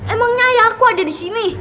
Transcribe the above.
emangnya ayah aku ada disini